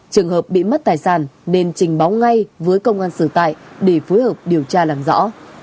trường hợp bị mất tài sản nên trình báo ngay với công an sở tại để phối hợp điều tra làm rõ